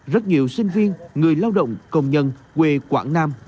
rất nhiều sinh viên người lao động công nhân quê quảng nam